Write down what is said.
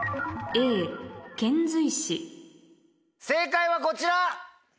正解はこちら！